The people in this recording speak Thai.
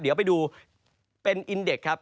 เดี๋ยวไปดูเป็นอินเด็กครับ